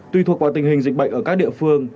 tùy thuộc vào tình hình dịch bệnh ở các địa phương